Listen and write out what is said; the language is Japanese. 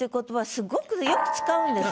すごくよく使うんです。